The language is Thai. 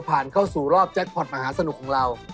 ผ่านเข้าสู่รอบแจ็คพอร์ตมหาสนุกของเรา